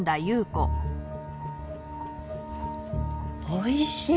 おいしい！